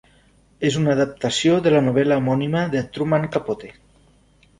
És una adaptació de la novel·la homònima de Truman Capote.